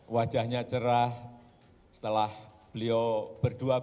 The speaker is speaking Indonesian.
wajahnya cerah setelah beliau berdua